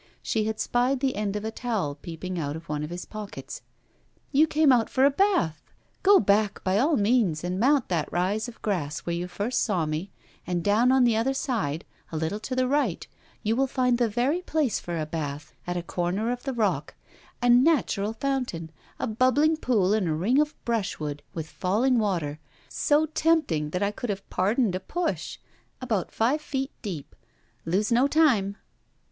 She had spied the end of a towel peeping out of one of his pockets. 'You came out for a bath! Go back, by all means, and mount that rise of grass where you first saw me; and down on the other side, a little to the right, you will find the very place for a bath, at a corner of the rock a natural fountain; a bubbling pool in a ring of brushwood, with falling water, so tempting that I could have pardoned a push: about five feet deep. Lose no time.'